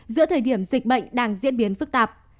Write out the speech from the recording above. giữa thời điểm dịch bệnh đang diễn biến phức tạp